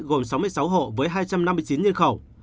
gồm sáu mươi sáu hộ với hai trăm năm mươi chín nhân khẩu